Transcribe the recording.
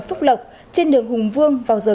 phúc lộc trên đường hùng vương